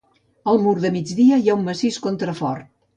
Al mur de migdia hi ha un massís contrafort.